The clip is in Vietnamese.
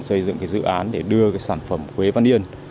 xây dựng dự án để đưa sản phẩm quế văn yên